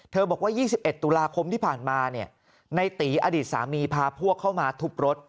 บอกว่า๒๑ตุลาคมที่ผ่านมาเนี่ยในตีอดีตสามีพาพวกเข้ามาทุบรถ